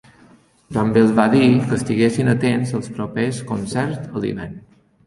També els va dir que estiguessin atents als propers concerts a l'hivern.